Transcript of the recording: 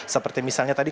seperti misalnya tadi